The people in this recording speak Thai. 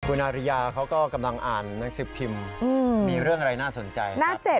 คุณอาริยาเขาก็กำลังอ่านหนังสือพิมพ์มีเรื่องอะไรน่าสนใจนะครับ